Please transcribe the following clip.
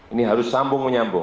ini harus sambung menyampaikan